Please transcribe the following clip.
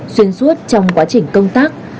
xuyên suốt trong quá trình công tác